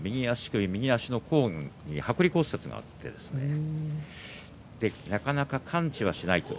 右足の甲に剥離骨折があってなかなか完治はしないと。